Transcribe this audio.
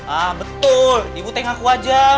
ah betul dibuteng aku aja